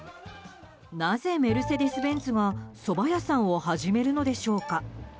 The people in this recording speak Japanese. なぜ、メルセデス・ベンツがそば屋さんを始めるのでしょうか。